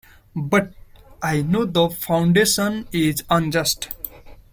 But I know the foundation is unjust.